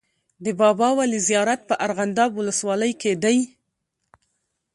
د بابا ولي زیارت په ارغنداب ولسوالۍ کي دی.